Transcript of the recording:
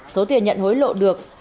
số tiền nhận hối lộ được